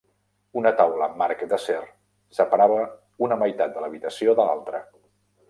Una taula amb marc d'acer separava una meitat de l'habitació de l'altra.